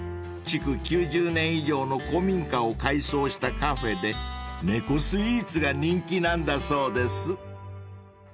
［築９０年以上の古民家を改装したカフェで猫スイーツが人気なんだそうです］